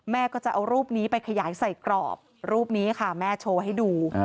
แม่ก็จะเอารูปนี้ไปขยายใส่กรอบรูปนี้ค่ะแม่โชว์ให้ดู